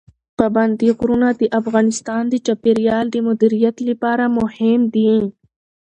پابندی غرونه د افغانستان د چاپیریال د مدیریت لپاره مهم دي.